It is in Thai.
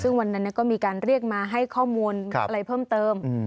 ซึ่งวันนั้นก็มีการเรียกมาให้ข้อมูลอะไรเพิ่มเติม